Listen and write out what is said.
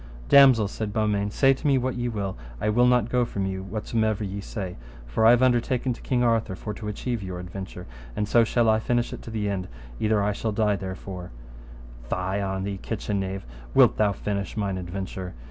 Damosel, said Beaumains, say to me what ye will, I will not go from you whatsomever ye say, for I have undertaken to King Arthur for to achieve your adventure, and so shall I finish it to the end, either I shall die therefore. Fie on thee, kitchen knave, wilt thou finish mine adventure?